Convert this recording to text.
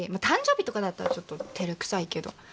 誕生日とかだったらちょっと照れくさいけど。